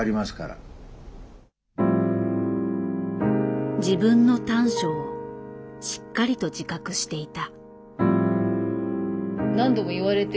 あのね自分の短所をしっかりと自覚していた。